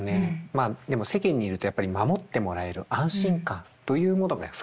まあでも世間にいるとやっぱり守ってもらえる安心感というものがすごく得られる。